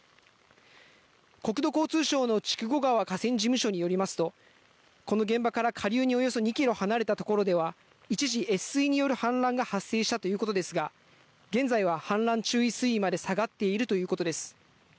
国土交通省の筑後川河川事務所によりますとこの現場から下流におよそ２ｋｍ離れたところでは一時、越水による氾濫が発生したということですが現在は氾濫注意水位にまで下がっているということです。